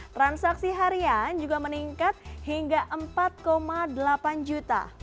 transaksi harian juga meningkat hingga empat delapan juta